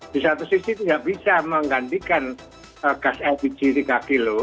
di satu sisi tidak bisa menggantikan gas lpg tiga kg